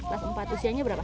kelas empat usianya berapa